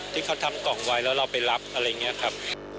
ที่เขาทำกล่องไว้แล้วเราไปรับอะไรอย่างนี้ครับ